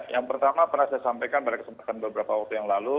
yang pertama pernah saya sampaikan pada kesempatan beberapa waktu yang lalu